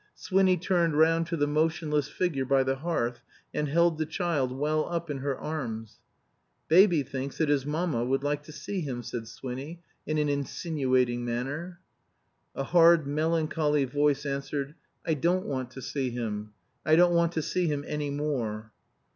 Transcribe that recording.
Swinny turned round to the motionless figure by the hearth, and held the child well up in her arms. "Baby thinks that his mamma would like to see him," said Swinny, in an insinuating manner. A hard melancholy voice answered, "I don't want to see him. I don't want to see him any more."